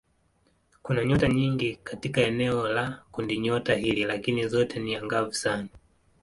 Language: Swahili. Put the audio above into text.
Kuna nyota nyingi katika eneo la kundinyota hili lakini zote si angavu sana.